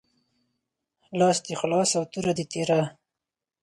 لاس دي خلاص او توره دي تیره